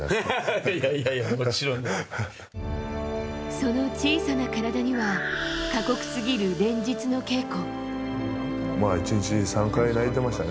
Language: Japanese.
その小さな体には過酷すぎる連日の稽古。